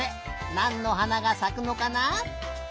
なんのはながさくのかな？